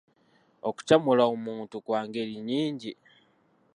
Okukyamula muntu kwa ngeri nnyingi.